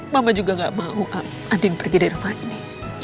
mama juga gak mau adin pergi dari rumah ini